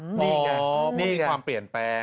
อ๋อมันมีความเปลี่ยนแปลง